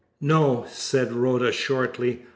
"No!" said Rhoda shortly.